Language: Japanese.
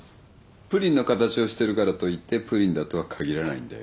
プリンの形をしてるからといってプリンだとは限らないんだよ。